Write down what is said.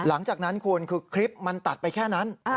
หลังจากนั้นคุณคือคลิปมันตัดไปแค่นั้น